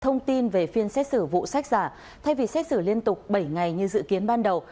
thông tin về phiên xét xử vụ sách giả thay vì xét xử liên tục bảy ngày như dự kiến ban đầu